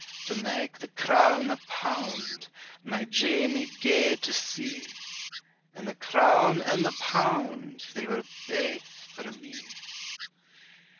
To mak' the crown a pound, my Jamie gaed to sea; And the crown and the pound, they were baith for me!